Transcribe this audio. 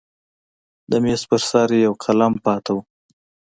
د میز پر سر یو قلم پاتې و.